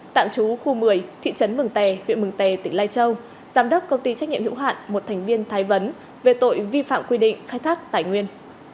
tạm trú khu một mươi thị trấn mừng tè huyện mường tè tỉnh lai châu giám đốc công ty trách nhiệm hữu hạn một thành viên thái vấn về tội vi phạm quy định khai thác tài nguyên